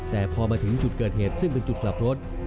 แต่พอมาถึงจุดเกิดเหตุซึ่งเป็นจุดกลับรถ